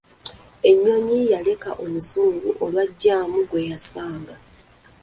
Ennyonyi yaleka omuzungu olwa jjaamu gwe yasanga.